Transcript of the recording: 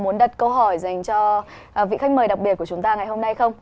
muốn đặt câu hỏi dành cho vị khách mời đặc biệt của chúng ta ngày hôm nay không